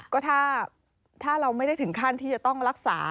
ก็ถ้าเราไม่ได้ถึงขั้นที่จะต้องรักษา